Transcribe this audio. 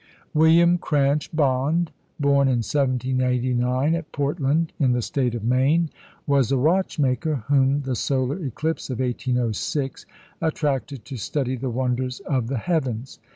William Cranch Bond, born in 1789 at Portland, in the State of Maine, was a watchmaker, whom the solar eclipse of 1806 attracted to study the wonders of the heavens.